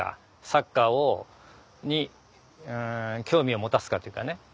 サッカーに興味を持たすかっていうかね。